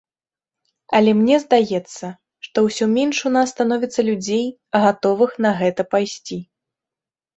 Але мне здаецца, што ўсё менш у нас становіцца людзей, гатовых на гэта пайсці.